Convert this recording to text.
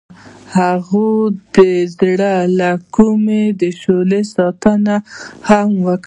هغې د زړه له کومې د شعله ستاینه هم وکړه.